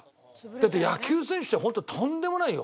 だって野球選手ってホントとんでもないよ。